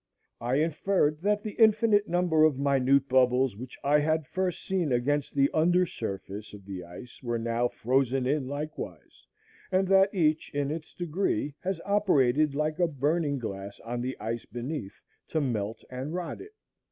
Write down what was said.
I inferred that the infinite number of minute bubbles which I had first seen against the under surface of the ice were now frozen in likewise, and that each, in its degree, had operated like a burning glass on the ice beneath to melt and rot it.